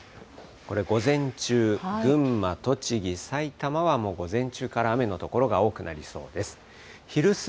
これ、午前中、群馬、栃木、さいたまはもう午前中から雨の所が多くなりそうです。